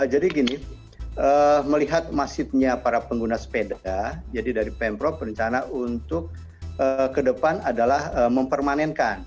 gini melihat masifnya para pengguna sepeda jadi dari pemprov berencana untuk ke depan adalah mempermanenkan